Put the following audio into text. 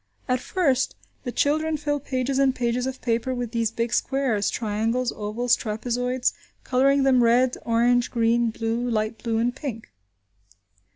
At first, the children fill pages and pages of paper with these big squares, triangles, ovals, trapezoids; colouring them red, orange, green, blue, light blue, and pink.